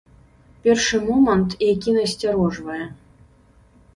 Першы момант, які насцярожвае.